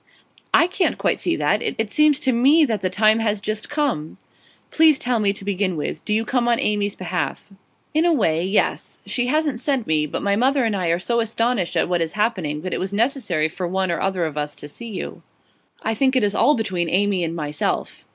'I can't quite see that. It seems to me that the time has just come.' 'Please tell me, to begin with, do you come on Amy's behalf?' 'In a way, yes. She hasn't sent me, but my mother and I are so astonished at what is happening that it was necessary for one or other of us to see you.' 'I think it is all between Amy and myself.